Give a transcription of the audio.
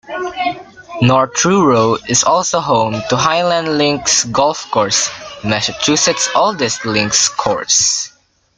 North Truro is also home to Highland Links Golf Course, Massachusetts's oldest links course.